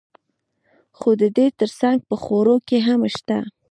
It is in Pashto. خو د دې ترڅنګ په خوړو کې هم شته.